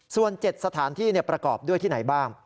ส่วน๗สถานที่ประกอบด้วยที่ไหนบ้าง